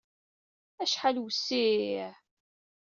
Acḥal wessiɛ!